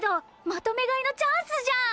まとめ買いのチャンスじゃん！